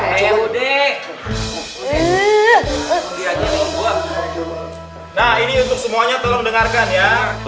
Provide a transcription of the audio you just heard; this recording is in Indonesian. nah ini untuk semuanya tolong dengarkan ya